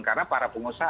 karena para pengusaha